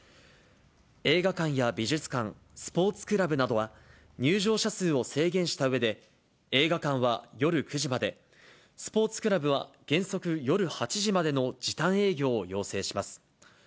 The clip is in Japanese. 映画館や美術館、スポーツクラブなどは、入場者数を制限したうえで、映画館は夜９時まで、スポーツクラブは原則、夜８時までの時短営業を要請します。